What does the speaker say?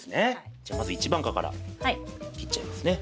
じゃまず一番果から切っちゃいますね。